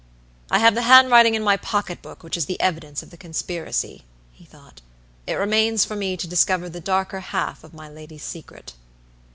"I have the handwriting in my pocket book which is the evidence of the conspiracy," he thought. "It remains for me to discover the darker half of my lady's secret."